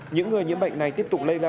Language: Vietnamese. những người nhiễm bệnh này tiếp tục lây lan